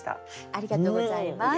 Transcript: ありがとうございます。